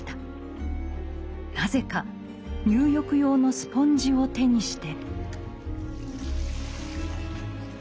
なぜか入浴用のスポンジを手にして。